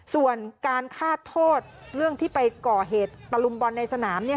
ส่วนการฆาตโทษเรื่องที่ไปก่อเหตุตะลุมบอลในสนาม